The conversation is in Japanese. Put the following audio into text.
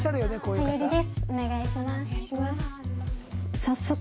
お願いします。